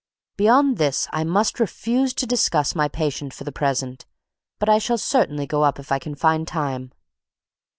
Beyond this I must refuse to discuss my patient for the present; but I shall certainly go up if I can find time."